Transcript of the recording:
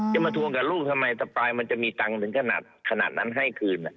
มาทวงกับลูกทำไมสปายมันจะมีตังค์ถึงขนาดนั้นให้คืน